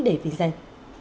để viên danh